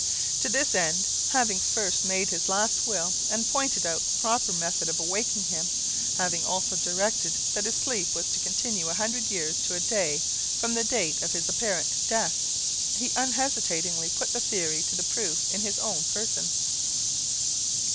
To this end, having first made his last will and pointed out the proper method of awakening him; having also directed that his sleep was to continue a hundred years to a day from the date of his apparent death, he unhesitatingly put the theory to the proof in his own person.